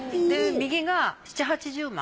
右が７０８０万。